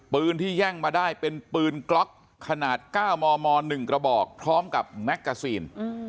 ปืนที่แย่งมาได้เป็นปืนกล็อกขนาด๙มม๑กระบอกพร้อมกับแมกกาซีน